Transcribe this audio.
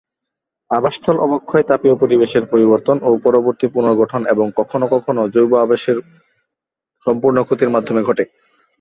আবাসস্থল অবক্ষয় তাপীয় পরিবেশের পরিবর্তন ও পরবর্তী পুনর্গঠন এবং কখনও কখনও জৈব আবাসের সম্পূর্ণ ক্ষতির মাধ্যমে ঘটে।